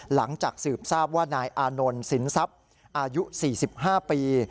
หลังจากสืบทราบว่านายอานนท์สินทรัพย์อายุ๔๕ปี